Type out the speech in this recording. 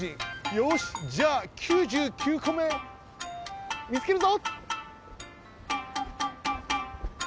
よしじゃあ９９こめみつけるぞ！